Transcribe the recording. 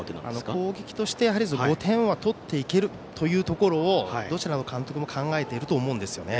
攻撃として、５点は取っていけるというところをどちらの監督も考えていると思うんですよね。